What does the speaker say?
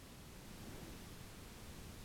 Liñán solicitó refuerzos y artillería al virrey.